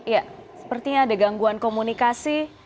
ya sepertinya ada gangguan komunikasi